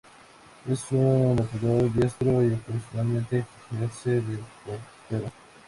Es un bateador diestro, y ocasionalmente ejerce de portero.